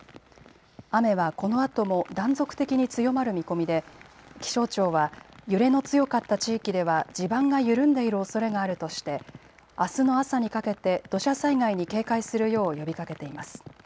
雨はこのあとも断続的に強まる見込みで気象庁は揺れの強かった地域では地盤が緩んでいるおそれがあるとしてあすの朝にかけて土砂災害に警戒するよう呼びかけています。